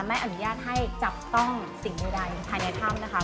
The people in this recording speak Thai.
ไม่อนุญาตให้จับต้องสิ่งใดภายในถ้ำนะคะ